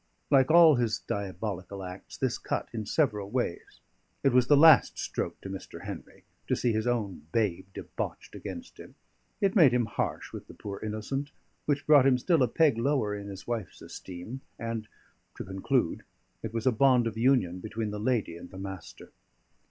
Like all his diabolical acts, this cut in several ways. It was the last stroke to Mr. Henry, to see his own babe debauched against him; it made him harsh with the poor innocent, which brought him still a peg lower in his wife's esteem; and (to conclude) it was a bond of union between the lady and the Master.